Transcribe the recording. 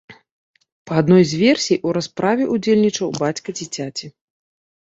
Па адной з версій, у расправе ўдзельнічаў бацька дзіцяці.